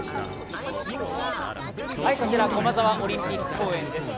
こちら駒沢オリンピック公園です。